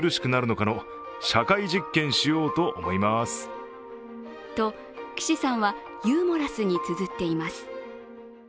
続けてと岸さんはユーモラスにつづっています。